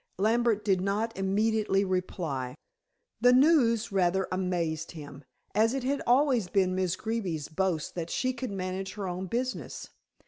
Lambert did not immediately reply. The news rather amazed him, as it had always been Miss Greeby's boast that she could manage her own business.